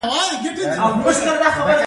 هغه ورته د زړه ژبه ور زده کوي.